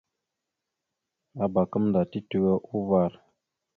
Abak gamənda titewe uvar.